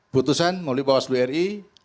putusan melalui bawah seluruh ri